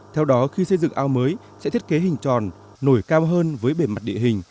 theo đó khi xây dựng ao mới sẽ thiết kế hình tròn nổi cao hơn với bề mặt địa hình